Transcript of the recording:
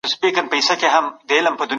مثبت فکر ژوند نه دروي.